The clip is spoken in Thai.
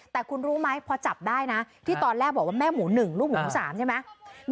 แต่คุณรู้ไหมพอจับได้นะที่ตอนแรกบอกว่าแม่หมู๑ลูกหมู๓ใช่ไหม